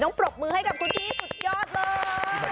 ปรบมือให้กับคุณพี่สุดยอดเลย